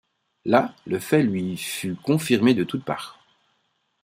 Là le fait lui fut confirmé de toute part.